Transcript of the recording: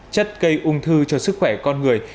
chất cây ung thư cho sức khỏe con người